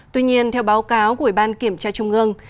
tuy nhiên theo báo cáo của ủy ban kiểm tra trung ương